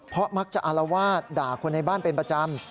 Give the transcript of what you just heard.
เพราะมักจะอารวาสด่าคนในบ้านเป็นประจำ